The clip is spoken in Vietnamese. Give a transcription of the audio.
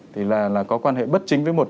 thì là có quan hệ bất chính với một